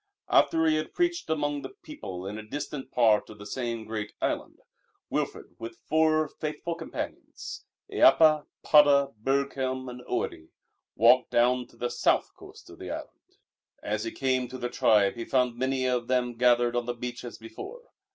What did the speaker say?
After he had preached among the people in a distant part of the same great island, Wilfrid with four faithful companions Eappa, Padda, Burghelm and Oiddi walked down to the south coast of the island. As he came to the tribe he found many of them gathered on the beach as before.